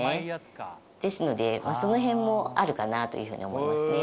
ですのでその辺もあるかなというふうに思いますね。